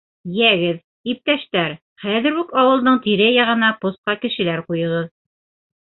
— Йәгеҙ, иптәштәр, хәҙер үк ауылдың тирә-яғына посҡа кешеләр ҡуйығыҙ.